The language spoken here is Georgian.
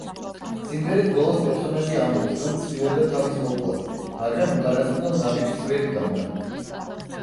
სიმღერის ბოლოს პერსონაჟი ამბობს, რომ ცდილობდა თავის მოკვლას, მაგრამ უკანასკნელ ნაბიჯს ვერ დგამდა.